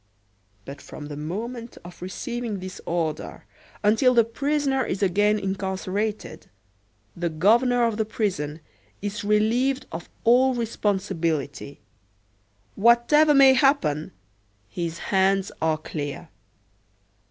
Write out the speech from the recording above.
But from the moment of receiving this order until the prisoner is again incarcerated, the governor of the prison is relieved of all responsibility. Whatever may happen, his hands are clear.